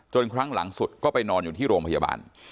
ครั้งหลังสุดก็ไปนอนอยู่ที่โรงพยาบาล